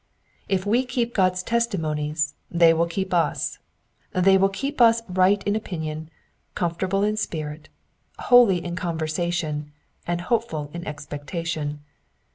If we keep God's testimonies they will keep us ; they will keep us right in opinion, comfortable in spirit, holy in con versation, and hopeful in expectation.